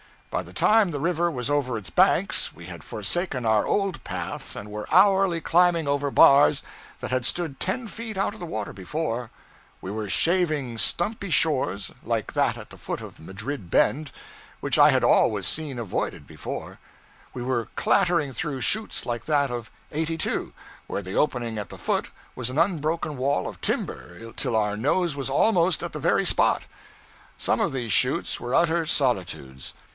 By the time the river was over its banks we had forsaken our old paths and were hourly climbing over bars that had stood ten feet out of water before; we were shaving stumpy shores, like that at the foot of Madrid Bend, which I had always seen avoided before; we were clattering through chutes like that of 82, where the opening at the foot was an unbroken wall of timber till our nose was almost at the very spot. Some of these chutes were utter solitudes.